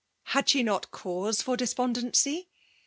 •»« Had she npt cause for despondency?